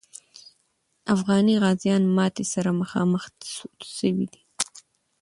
افغاني غازیان ماتي سره مخامخ سوي دي.